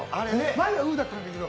前はウだったんですけど。